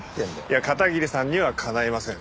いや片桐さんにはかないません。